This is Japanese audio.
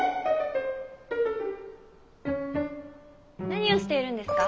何をしているんですか？